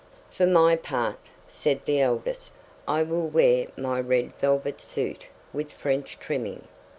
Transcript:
"For my part," said the eldest, "I will wear my red velvet suit with French trimming."